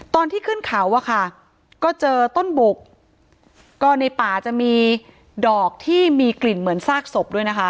ตอนที่ขึ้นเขาอะค่ะก็เจอต้นบุกก็ในป่าจะมีดอกที่มีกลิ่นเหมือนซากศพด้วยนะคะ